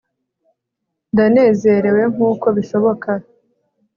Ndanezerewe nkuko bishoboka